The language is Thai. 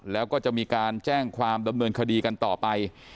แล้วก็จะมีการแจ้งความดำเนินคดีกันต่อไป